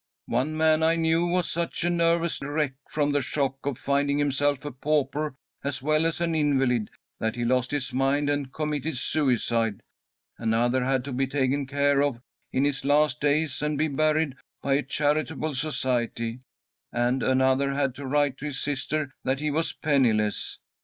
One man I knew was such a nervous wreck from the shock of finding himself a pauper as well as an invalid that he lost his mind and committed suicide. Another had to be taken care of in his last days and be buried by a charitable society, and another had to write to his sister that he was penniless.